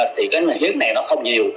thì cái hiếp này nó không nhiều